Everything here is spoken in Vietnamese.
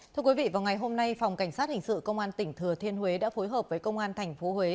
thưa quý vị vào ngày hôm nay phòng cảnh sát hình sự công an tỉnh thừa thiên huế đã phối hợp với công an tp huế